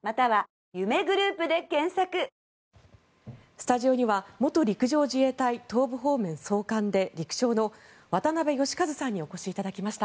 スタジオには元陸上自衛隊東部方面総括で陸将の渡部悦和さんにお越しいただきました。